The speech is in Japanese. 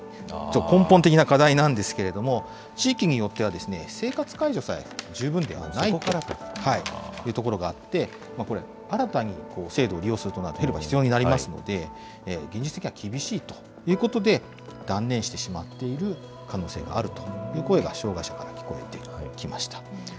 根本的な課題なんですけれども、地域によっては生活介助さえ十分ではないというところがあって、新たに制度を利用するとなるとヘルパーが必要になりますので、現実的には厳しいということで、断念してしまっている可能性があるという声が、障害者から聞こえてきました。